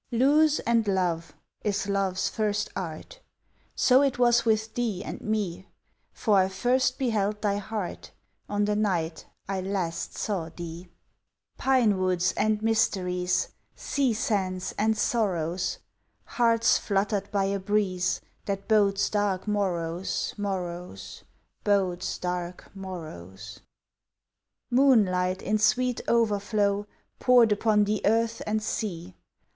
"Lose and love" is love's first art; So it was with thee and me, For I first beheld thy heart On the night I last saw thee. Pine woods and mysteries! Sea sands and sorrows! Hearts fluttered by a breeze That bodes dark morrows, morrows, Bodes dark morrows! Moonlight in sweet overflow Poured upon the earth and sea!